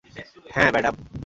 হ্যাঁ, ম্যাডাম।